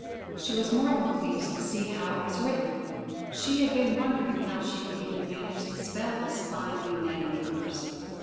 She was more than pleased to see how it was written; she had been wondering how she would even manage to spell this fine new name of hers.